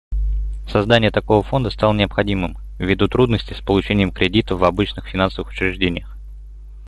Создание такого фонда стало необходимым ввиду трудностей с получением кредитов в обычных финансовых учреждениях.